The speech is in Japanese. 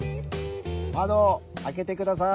窓開けてください。